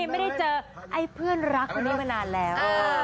ไม่ได้เจอไอ้เพื่อนรักคนนี้มานานแล้ว